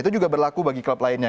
itu juga berlaku bagi klub lainnya